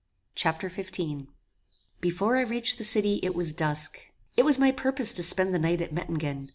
Chapter XV Before I reached the city it was dusk. It was my purpose to spend the night at Mettingen.